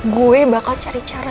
gue bakal cari cara